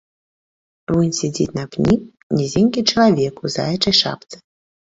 Вунь сядзіць на пні нізенькі чалавек у заячай шапцы.